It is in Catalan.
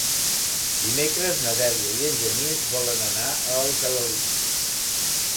Dimecres na Dèlia i en Genís volen anar a Alcalalí.